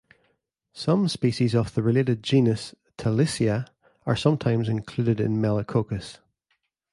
Some species of the related genus "Talisia" are sometimes included in "Melicoccus".